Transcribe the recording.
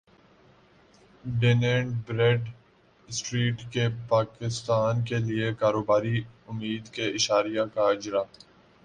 done and Bradstreet کے پاکستان کیلیے کاروباری امید کے اشاریہ کا اجرا